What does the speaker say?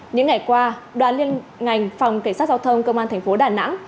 những ngày qua đoàn liên ngành phòng cảnh sát giao thông công an thành phố đà nẵng